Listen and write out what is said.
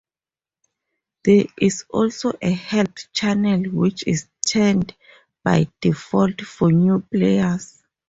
There is also a Help channel which is tuned by default for new players.